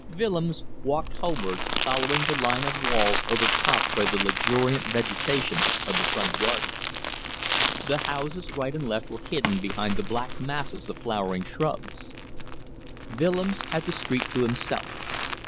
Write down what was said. Willems walked homewards, following the line of walls overtopped by the luxuriant vegetation of the front gardens. The houses right and left were hidden behind the black masses of flowering shrubs. Willems had the street to himself.